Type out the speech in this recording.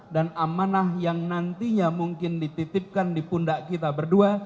dan amanah yang nantinya mungkin dititipkan di pundak kita berdua